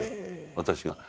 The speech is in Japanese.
私が。